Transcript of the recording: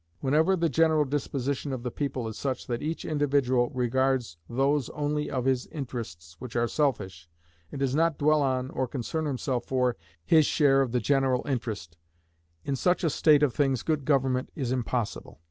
Whenever the general disposition of the people is such that each individual regards those only of his interests which are selfish, and does not dwell on, or concern himself for, his share of the general interest, in such a state of things good government is impossible.